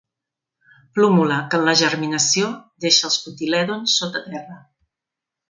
Plúmula que, en la germinació, deixa els cotilèdons sota terra.